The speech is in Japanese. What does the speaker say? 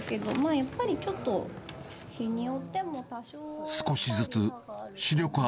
やっぱりちょっと日によっても多少は。